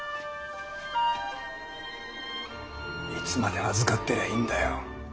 いつまで預かってりゃいいんだよ。